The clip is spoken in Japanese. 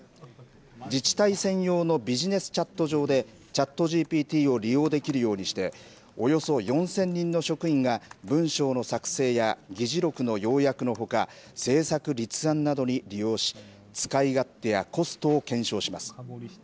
自治体専用のビジネスチャット上でＣｈａｔＧＰＴを利用できるようにしておよそ４０００人の職員が文章の作成や議事録の要約のほか政策立案などに利用し使い勝手やコストを検証します。